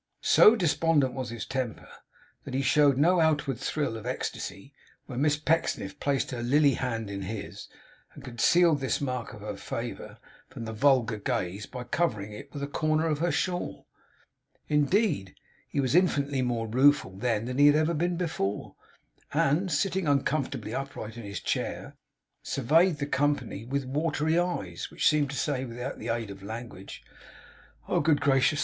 So despondent was his temper, that he showed no outward thrill of ecstasy when Miss Pecksniff placed her lily hand in his, and concealed this mark of her favour from the vulgar gaze by covering it with a corner of her shawl. Indeed, he was infinitely more rueful then than he had been before; and, sitting uncomfortably upright in his chair, surveyed the company with watery eyes, which seemed to say, without the aid of language, 'Oh, good gracious!